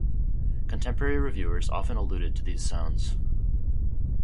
Contemporary reviewers often alluded to these sounds.